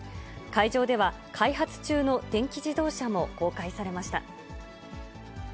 会場では、開発中の電気自動車も公開されました。